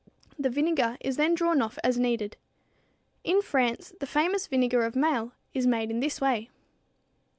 The vinegar is then drawn off as needed. In France, the famous vinegar of Maille is made in this way.